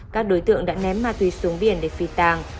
các đối tượng đã ném ma túy xuống biển để phi tàng